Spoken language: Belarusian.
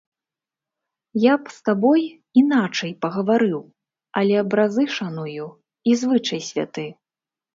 Я б з табой іначай пагаварыў, але абразы шаную і звычай святы.